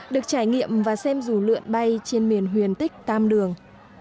được trải nghiệm và xem dù lượn bay trên miền huyền tích tam đường